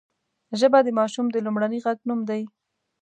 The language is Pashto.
ژبه د ماشوم د لومړني غږ نوم دی